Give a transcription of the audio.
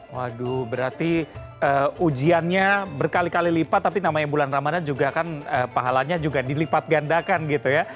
waduh berarti ujiannya berkali kali lipat tapi namanya bulan ramadhan juga kan pahalanya juga dilipat gandakan gitu ya